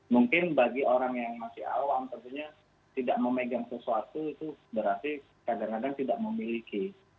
mungkin bagi orang yang masih awam tentunya tidak memegang sesuatu itu berarti kadang kadang tidak memiliki